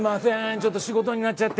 ちょっと仕事になっちゃって。